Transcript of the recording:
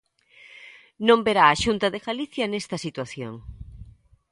Non verá á Xunta de Galicia nesta situación.